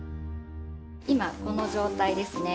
今この状態ですね。